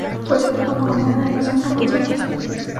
Fue citado por Homero y Alessandro Manzoni.